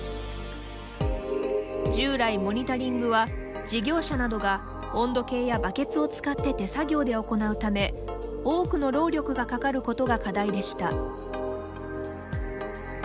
従来モニタリングは事業者などが温度計やバケツを使って手作業で行うため多くの労力がかかることが課題でした。